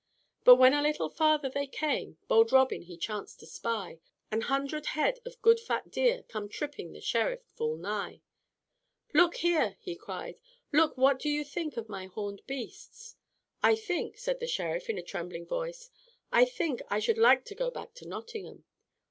"But when a little farther they came, Bold Robin he chanced to spy An hundred head of good fat deer Come tripping the Sheriff full nigh." "Look there," he cried, "look! What do you think of my horned beasts?" "I think," said the Sheriff, in a trembling voice, "I think I should like to go back to Nottingham."